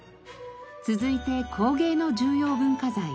続いて工芸の重要文化財。